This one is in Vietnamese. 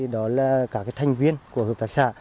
đó là các thành viên của hợp tác xã